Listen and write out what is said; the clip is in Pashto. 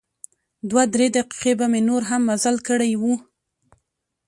دوه درې دقیقې به مې نور هم مزل کړی و.